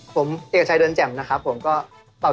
ผมเตีขใช่เดือนแจ่มนะครับ